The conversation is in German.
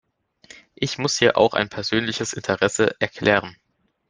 Ich muss hier auch ein persönliches Interesse erklären.